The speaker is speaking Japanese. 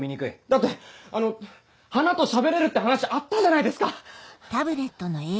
だってあの花と喋れるって話あったじゃないですか。